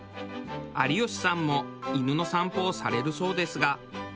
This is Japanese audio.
有吉さんも犬の散歩をされるそうですが。